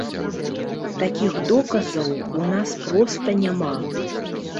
Такіх доказаў у нас проста няма.